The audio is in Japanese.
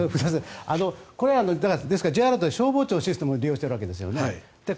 Ｊアラートって消防庁のシステムを利用しているわけですよね。